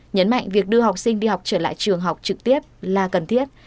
nhấn mạnh việc đưa học sinh đi học trở lại trường học trực tiếp là cần thiết